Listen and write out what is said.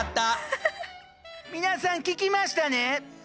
皆さん聞きましたね？